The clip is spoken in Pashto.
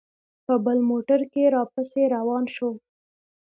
په بل موټر کې را پسې روان شو.